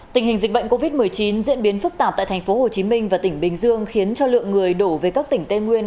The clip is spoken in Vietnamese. tình hình dịch bệnh covid một mươi chín diễn biến phức tạp tại tp hcm và tỉnh bình dương khiến cho lượng người đổ về các tỉnh tây nguyên